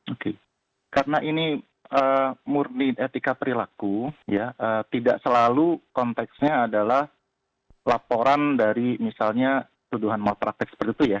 oke karena ini murni etika perilaku ya tidak selalu konteksnya adalah laporan dari misalnya tuduhan malpraktek seperti itu ya